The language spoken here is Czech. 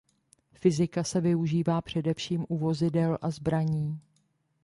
Fyzika se využívá především u vozidel a zbraní.